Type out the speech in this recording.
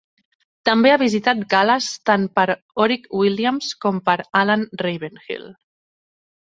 També ha visitat Gal·les tant per a Orig Williams com per a Alan Ravenhill.